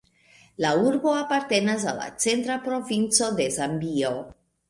La urbo apartenas al la Centra Provinco de Zambio.